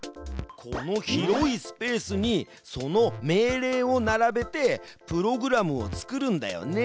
この広いスペースにその命令をならべてプログラムを作るんだよね。